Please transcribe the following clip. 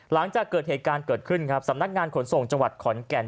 หลังจากเกิดเหตุการณ์เกิดขึ้นครับสำนักงานขนส่งจังหวัดขอนแก่น